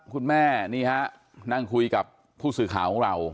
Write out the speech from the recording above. คุณแม่นี่ฮะนั่งคุยกับผู้สื่อข่าวของเรา